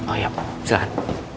oh ya pak silakan